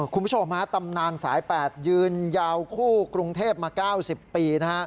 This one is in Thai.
คุณผู้ชมฮะตำนานสาย๘ยืนยาวคู่กรุงเทพมา๙๐ปีนะฮะ